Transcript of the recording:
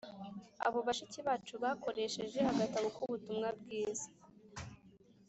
Abo bashiki bacu bakoresheje agatabo k Ubutumwa bwiza